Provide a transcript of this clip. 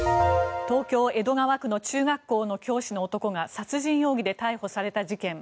東京・江戸川区の中学校の教師の男が殺人容疑で逮捕された事件。